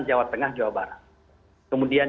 jawa tengah jawa barat kemudian